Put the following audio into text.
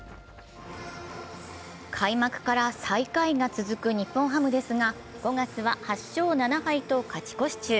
開幕から最下位が続く日本ハムですが、５月は８勝７敗と勝ち越し中。